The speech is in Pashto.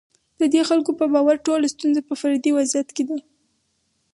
د دې خلکو په باور ټوله ستونزه په فردي وضعیت کې ده.